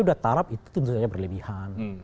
sudah tarap itu tentu saja berlebihan